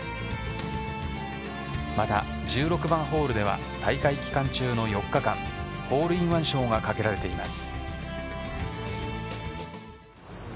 また、１６番ホールでは大会期間中の４日間ホールインワン賞がかけられています。